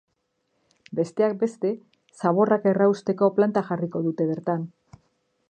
Besteak beste, zaborrak errausteko planta jarriko dute bertan.